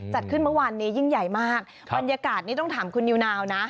จัดขึ้นเมื่อวานนี้ยิ่งใหญ่มากบรรยากาศนี้ต้องถามคุณนิวนาวนะ